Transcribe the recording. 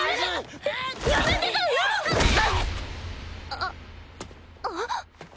あっあっ。